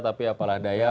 tapi apalah daya